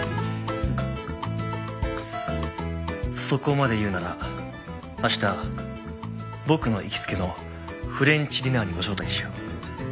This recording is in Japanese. そこまで言うなら明日僕の行きつけのフレンチディナーにご招待しよう。